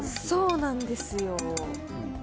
そうなんですよ。